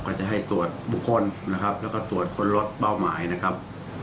ก็จะให้ตรวจบุคคลนะครับแล้วก็ตรวจค้นรถเป้าหมายนะครับ